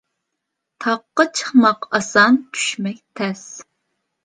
تاغقا چىقماق ئاسان، چۈشمەك تەس.